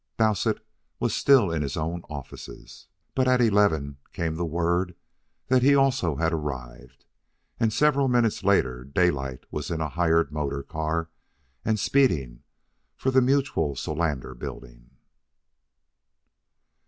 Dowsett was still in his own offices. But at eleven came the word that he also had arrived, and several minutes later Daylight was in a hired motor car and speeding for the Mutual Solander Building.